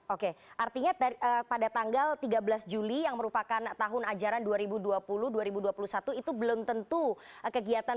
oke artinya pada tanggal tiga belas juli yang merupakan tahun ajaran dua ribu dua puluh dua ribu dua puluh satu itu belum tentu kegiatan